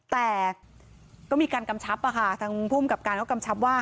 แต่ก็มีการกำชับทางภูมิกับการก็กำชับว่า